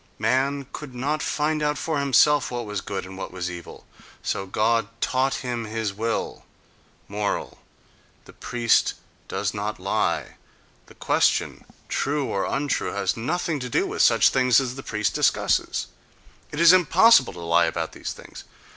Man could not find out for himself what was good and what was evil, so God taught him His will.... Moral: the priest does not lie—the question, "true" or "untrue," has nothing to do with such things as the priest discusses; it is impossible to lie about these things.